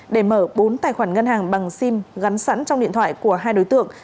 để mở bốn tài khoản ngân hàng bằng sim gắn sẵn trong điện thoại của hai đối tượng